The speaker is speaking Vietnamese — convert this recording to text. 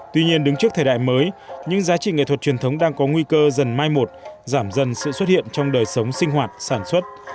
tuy nhiên đứng trước thời đại mới những giá trị nghệ thuật truyền thống đang có nguy cơ dần mai một giảm dần sự xuất hiện trong đời sống sinh hoạt sản xuất